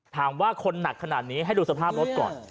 ถามว่าคนหนักขนาดนี้ให้ดูสภาพรถก่อน